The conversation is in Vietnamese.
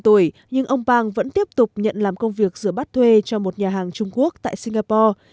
đã sáu mươi năm tuổi nhưng ông pang vẫn tiếp tục nhận làm công việc giữa bắt thuê cho một nhà hàng trung quốc tại singapore